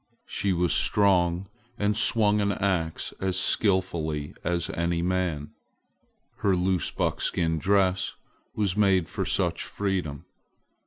She was strong and swung an ax as skillfully as any man. Her loose buckskin dress was made for such freedom.